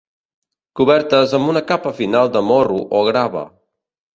Cobertes amb una capa final de morro o grava.